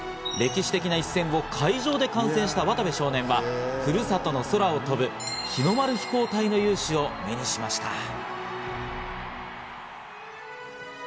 歴史的な一戦を会場で観戦した渡部少年は、ふるさとの空を飛ぶ日の丸飛行隊の雄姿を目にしました。